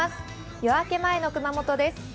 夜明け前の熊本です。